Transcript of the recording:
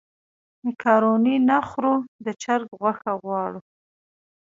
مېکاروني نه خورو د چرګ غوښه غواړو.